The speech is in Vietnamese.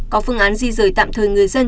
có phương án di rời tạm thời người dân